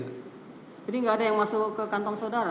jadi enggak ada yang masuk ke kantong saudara